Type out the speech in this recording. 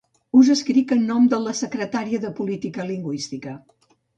Us escric en nom de la secretària de Política Lingüística.